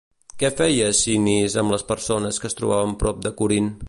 Què feia Sinis amb les persones que es trobava prop de Corint?